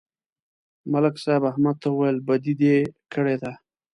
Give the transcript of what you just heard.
ملک صاحب احمد ته وویل: بدي دې کړې ده